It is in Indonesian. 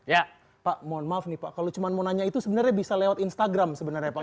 ya pak mohon maaf nih pak kalau cuma mau nanya itu sebenarnya bisa lewat instagram sebenarnya pak